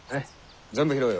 全部拾えよ。